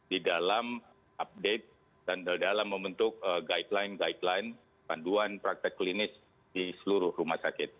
di dalam update dan dalam membentuk guideline guideline panduan praktek klinis di seluruh rumah sakit